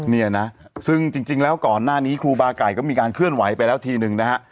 เนี่ยนะซึ่งจริงแล้วก่อนหน้านี้ครูบาไก่ก็มีการเคลื่อนไหวไปแล้วทีนึงนะฮะ